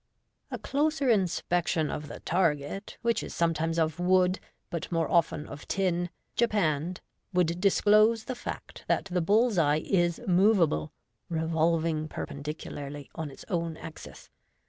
A closer inspection of the target, which Is sometimes of wood, but more often of tin, japanned, would disclose th fact that the bull's eye is moveable, revolving perpendicularly on its own axis.